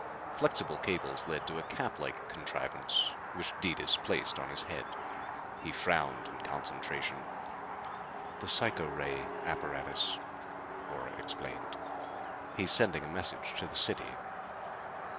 Flexible cables led to a cap like contrivance which Detis placed on his head. He frowned in concentration. "The psycho ray apparatus." Ora explained. "He's sending a message to the city."